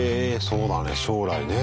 そうだね将来ね。